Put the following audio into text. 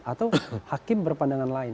atau hakim berpandangan lain